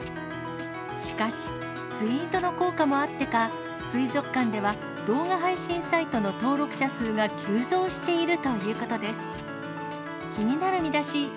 しかし、ツイートの効果もあってか、水族館では、動画配信サイトの登録者数が急増しているということです。